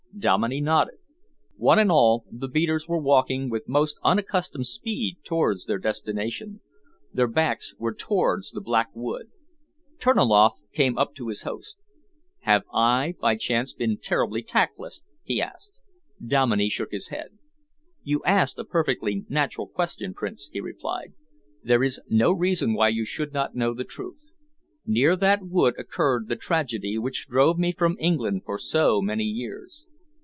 Dominey nodded. One and all the beaters were walking with most unaccustomed speed towards their destination. Their backs were towards the Black Wood. Terniloff came up to his host. "Have I, by chance, been terribly tactless?" he asked. Dominey shook his head. "You asked a perfectly natural question, Prince," he replied. "There is no reason why you should not know the truth. Near that wood occurred the tragedy which drove me from England for so many years."